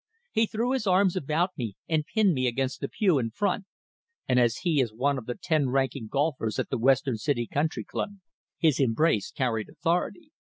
He threw his arms about me, and pinned me against the pew in front; and as he is one of the ten ranking golfers at the Western City Country Club, his embrace carried authority.